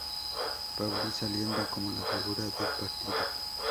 Pauli saliendo como la figura del partido.